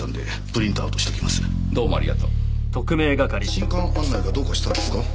新刊案内がどうかしたんですか？